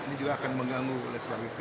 ini juga akan mengganggu oleh sebab itu